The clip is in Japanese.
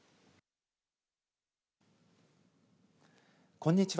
こんにちは。